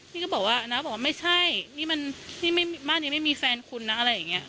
พี่ก็บอกว่าน้าบอกว่าไม่ใช่นี่มันบ้านยังไม่มีแฟนคุณนะอะไรอย่างนี้